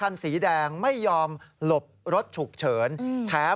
นี้คันนี้ฮะ